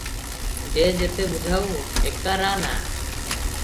ଯେ ଯେତେ ବୁଝାଉ, ଏକା ରା - ନା ।